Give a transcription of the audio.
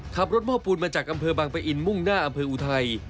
ขับรถโม่ปูนมาจากอำเภอบางปะอินมุ่งหน้าอำเภออูไทย